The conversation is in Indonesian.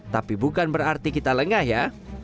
tapi bukan berarti kita lengah ya